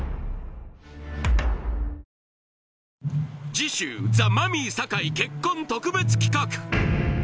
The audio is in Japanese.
次週ザ・マミィ酒井結婚特別企画